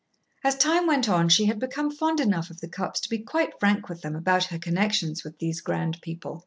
As time went on she had become fond enough of the Cupps to be quite frank with them about her connections with these grand people.